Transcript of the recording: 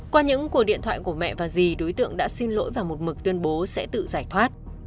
qua những cuộc điện thoại của mẹ và gì đối tượng đã xin lỗi vào một mực tuyên bố sẽ tự giải thoát